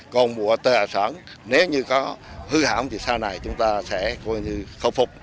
còn mùa tờ sáng nếu như có hư hãm thì sau này chúng ta sẽ khẩu phục